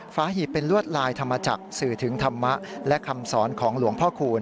หีบเป็นลวดลายธรรมจักรสื่อถึงธรรมะและคำสอนของหลวงพ่อคูณ